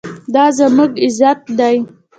دا زموږ عزت دی